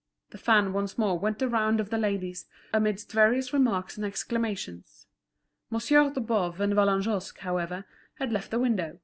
The fan once more went the round of the ladies, amidst various remarks and exclamations. Monsieur de Boves and Vallagnosc, however, had left the window.